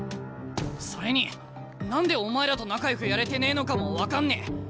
それに何でお前らと仲よくやれてねえのかも分かんねえ。